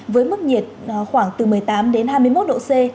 với mức nhiệt khoảng từ một mươi tám đến hai mươi một độ c